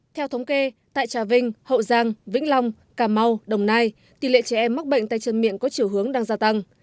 theo thống kê tại trà vinh hậu giang vĩnh long cà mau đồng nai tỷ lệ trẻ em mắc bệnh tay chân miệng có chiều hướng đang gia tăng